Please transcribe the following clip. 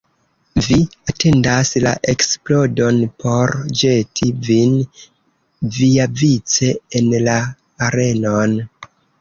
Vi atendas la eksplodon por ĵeti vin viavice en la arenon.